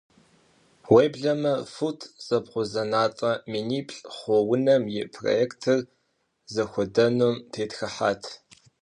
Уеблэмэ фут зэбгъузэнатӏэ миниплӏ хъу унэм и проектыр зыхуэдэнум тетхыхьат.